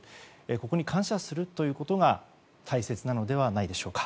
ここに感謝するということが大切なのではないでしょうか。